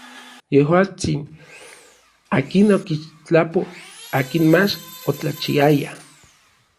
Yejuatsin, akin okixtlapoj akin mach otlachiaya.